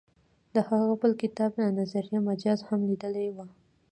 د هغه بل کتاب نظریه مجاز هم لیدلی و.